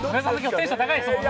テンション高いですね。